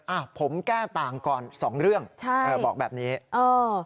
อ่ะผมแก้ต่างก่อนสองเรื่องใช่เออบอกแบบนี้เออ